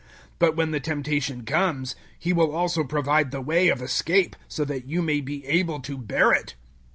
But, when the temptation comes, He will also provide the way of escape; so that you may be able to bear it.